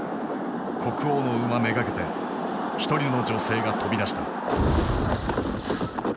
国王の馬目がけて１人の女性が飛び出した。